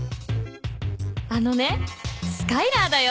あのねスカイラーだよ。